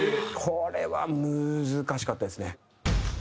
これは難しかったですね。